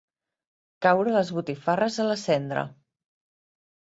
Caure les botifarres a la cendra.